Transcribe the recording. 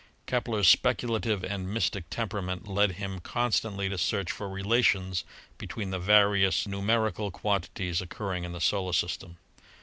Kepler's speculative and mystic temperament led him con stantly to search for relations between the various numeri cal quantities occurring in the Solar System.